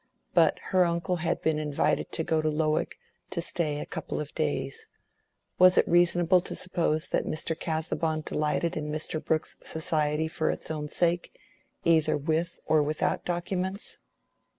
But her uncle had been invited to go to Lowick to stay a couple of days: was it reasonable to suppose that Mr. Casaubon delighted in Mr. Brooke's society for its own sake, either with or without documents?